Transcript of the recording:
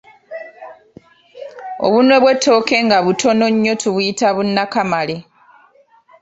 Obunwe bw’ettooke nga butono nnyo tubuyita Bunakamale.